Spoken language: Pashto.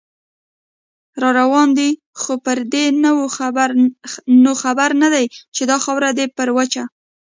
راروان دی خو پردې نو خبر نه دی، چې دا خاوره ده پر وچه